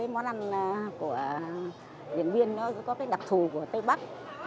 món ăn của điện biên nó có đặc thù của tây bắc